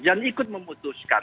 dan ikut memutuskan